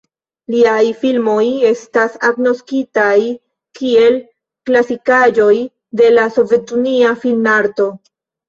Liaj filmoj estas agnoskitaj kiel klasikaĵoj de la sovetunia film-arto.